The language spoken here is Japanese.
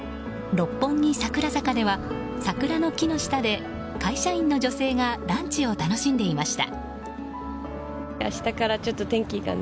六本木・桜坂では桜の木の下で会社員の女性がランチを楽しんでいました。